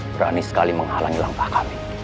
berani sekali menghalangi langkah kami